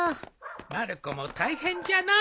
まる子も大変じゃのう。